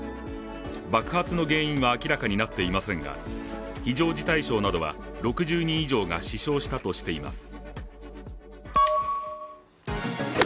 爆発の原因は明らかになっていませんが、非常事態省などは６０人以上が死傷したとしています。